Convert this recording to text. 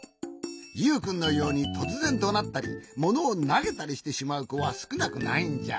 ユウくんのようにとつぜんどなったりものをなげたりしてしまうこはすくなくないんじゃ。